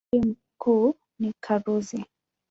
Mji mkuu ni Karuzi.